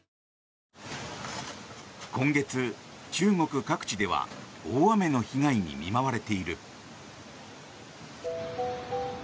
今月、中国各地では大雨の被害に見舞われている。